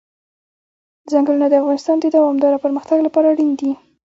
ځنګلونه د افغانستان د دوامداره پرمختګ لپاره اړین دي.